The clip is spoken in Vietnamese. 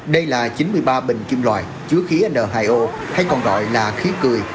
đây là chín mươi ba bình kim loại chứa khí n hai o hay còn gọi là khí cười